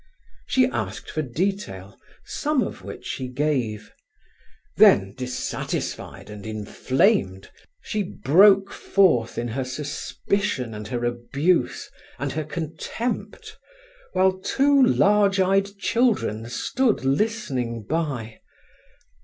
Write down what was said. She asked for detail, some of which he gave. Then, dissatisfied and inflamed, she broke forth in her suspicion and her abuse, and her contempt, while two large eyed children stood listening by.